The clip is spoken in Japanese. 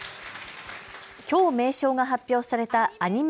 きょう名称が発表されたアニメ